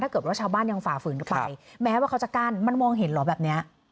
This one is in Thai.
ถ้าเกิดว่าชาวบ้านยังฝ่าฝืนไปแม้ว่าเขาจะกั้นมันมองเห็นเหรอแบบนี้